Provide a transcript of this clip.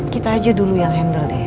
kita aja dulu yang hendaknya